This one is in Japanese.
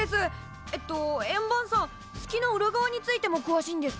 えっと円盤さん月の裏側についてもくわしいんですか？